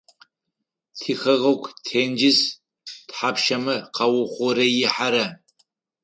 Тихэгъэгу тенджыз тхьапшмэ къаухъурэихьэра?